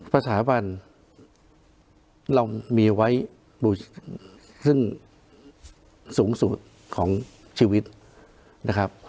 สถาบันเรามีไว้ซึ่งสูงสุดของชีวิตนะครับ